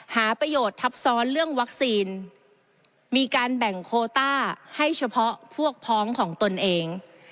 หาประโยชน์ทับซ้อนเรื่องวัคซีนมีการแบ่งโคต้าให้เฉพาะพวกพ้องของตนเอง